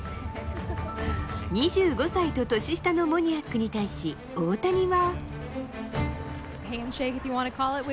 ２５歳と年下のモニアックに対し、大谷は。